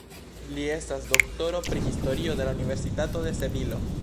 Li estas doktoro pri Historio el la Universitato de Sevilo.